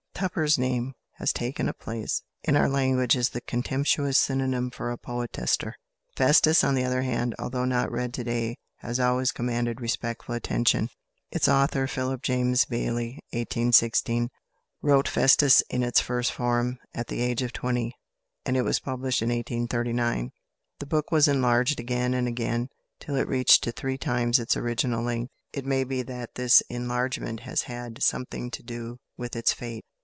Tupper's name has taken a place in our language as the contemptuous synonym for a poetaster. "Festus," on the other hand, although not read to day, has always commanded respectful attention. Its author, =Philip James Bailey (1816 )=, wrote "Festus" in its first form, at the age of twenty, and it was published in 1839. The book was enlarged again and again, till it reached to three times its original length. It may be that this enlargement has had something to do with its fate.